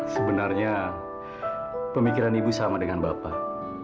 sebenarnya pemikiran ibu sama dengan bapak